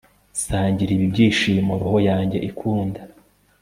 sangira ibi byishimo roho yanjye ikunda